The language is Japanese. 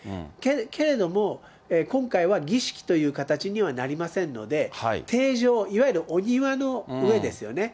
けれども、今回は儀式という形にはなりませんので、庭上、いわゆるお庭の上ですよね。